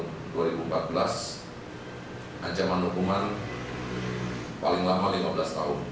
fakta lain memperlihatkan bahwa memang seorang pelaku yang berada di